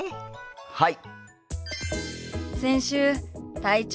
はい！